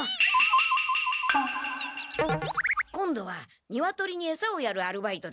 今度はニワトリにエサをやるアルバイトです。